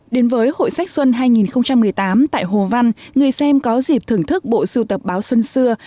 đến với hội sách xuân hai nghìn một mươi tám tại hồ văn người xem có dịp thưởng thức bộ sưu tập báo xuân xưa